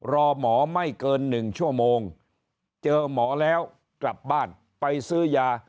รอหมอไม่เกิน๑ชั่วโมงเจอหมอแล้วกลับบ้านไปซื้อยา